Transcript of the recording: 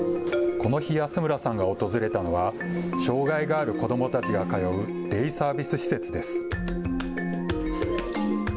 この日、安村さんが訪れたのは障害がある子どもたちが通うデイサービス施設です。